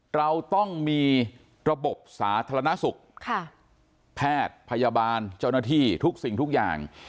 เราต้องมีระบบสาธารณสุขแพทย์พยาบาลเจ้าหน้าที่ทุกสิ่งทุกอย่าง